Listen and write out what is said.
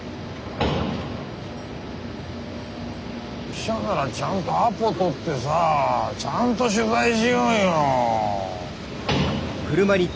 記者ならちゃんとアポ取ってさちゃんと取材しようよ。